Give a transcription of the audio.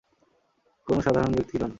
কোন সাধারণ ব্যক্তি নন।